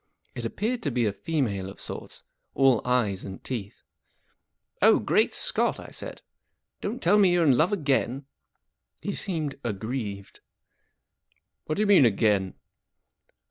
It appeared to be a female of sorts, all ey es and teeth. 44 Oh, great Scott !" I said. 44 Don't tell me you're in love again." He seemed aggrieved. 44 What do you mean—again